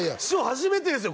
初めてですよ